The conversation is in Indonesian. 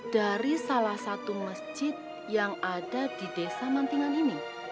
dari salah satu masjid yang ada di desa mantingan ini